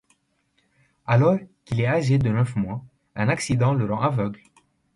Alors qu'il est âgé de neuf mois, un accident le rend aveugle.